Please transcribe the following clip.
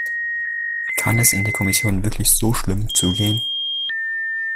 Kann es in der Kommission wirklich so schlimm zugehen?